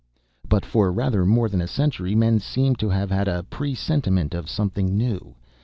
"But for rather more than a century, men seem to have had a presentiment of something new.